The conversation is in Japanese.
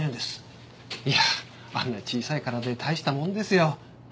いやあんな小さい体で大したもんですよ。